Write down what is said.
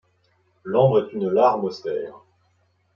L’ambre est une larme austère ;